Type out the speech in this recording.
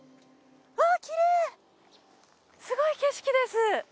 うわっきれいすごい景色です